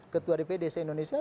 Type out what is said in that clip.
ketua dpd se indonesia